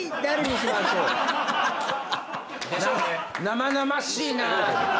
生々しいな。